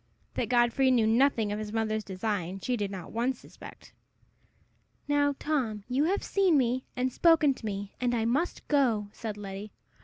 That Godfrey knew nothing of his mother's design, she did not once suspect. "Now, Tom, you have seen me, and spoken to me, and I must go," said Letty.